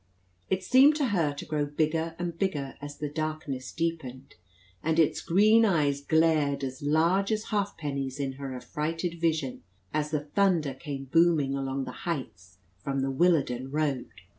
It seemed to her to grow bigger and bigger as the darkness deepened, and its green eyes glared as large as halfpennies in her affrighted vision as the thunder came booming along the heights from the Willarden road.